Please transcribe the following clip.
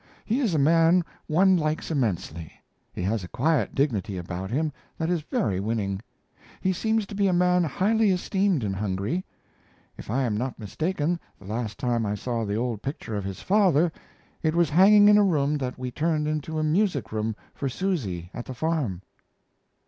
He is a man one likes immensely. He has a quiet dignity about him that is very winning. He seems to be a man highly esteemed in Hungary. If I am not mistaken, the last time I saw the old picture of his father it was hanging in a room that we turned into a music room for Susy at the farm.